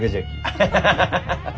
アハハハハ。